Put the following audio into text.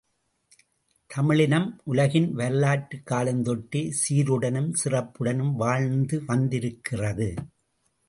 தமிழினம் உலகின் வரலாற்றுக் காலந்தொட்டே சீருடனும் சிறப்புடனும் வாழ்ந்து வந்திருக்கிறது.